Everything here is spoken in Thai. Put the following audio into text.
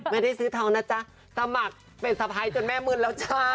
ไม่ได้ซื้อทองนะจ๊ะสมัครเป็นสะพ้ายจนแม่มึนแล้วจ้า